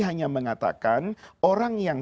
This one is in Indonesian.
hanya mengatakan orang yang